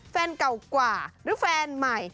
แฟนเก่ากว่าหรือแฟนใหม่